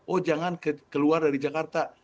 oh jangan keluar dari jakarta